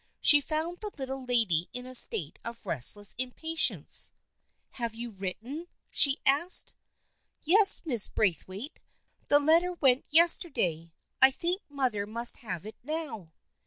She found the Little Lady in a state of restless impatience. " Have you written ?" she asked. " Yes, Mrs. Braithwaite. The letter went yes terday. I think mother must have it now."